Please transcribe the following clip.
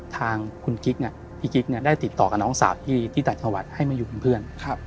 ทางพี่กิ๊กได้ติดต่อกับน้องสาวที่ต่างจังหวัดให้มาอยู่เพื่อน